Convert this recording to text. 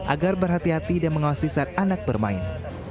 agar berhati hati dan mengawasi saat anak bermain